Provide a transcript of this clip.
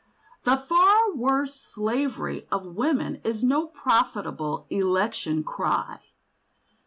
The far worse slavery of women is no profitable election cry.